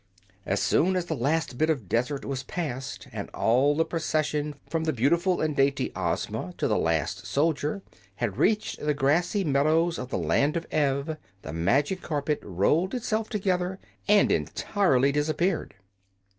As soon as the last bit of desert was passed and all the procession, from the beautiful and dainty Ozma to the last soldier, had reached the grassy meadows of the Land of Ev, the magic carpet rolled itself together and entirely disappeared.